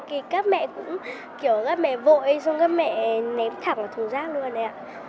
thì mẹ con bảo ừ nhưng mà nhiều lúc là các mẹ cũng kiểu các mẹ vội xong các mẹ ném thẳng vào thùng rác luôn đấy ạ